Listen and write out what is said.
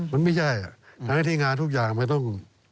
มันไม่ใช่ทั้งที่งานทุกอย่างมันต้อง